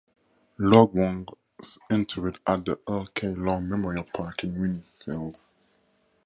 Long was interred at the Earl K. Long Memorial Park in Winnfield.